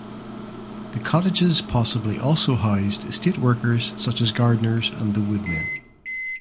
The cottages possibly also housed estate workers such as gardeners and the wood men.